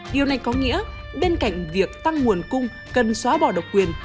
điều này có nghĩa bên cạnh việc tăng nguồn cung cần xóa bỏ độc quyền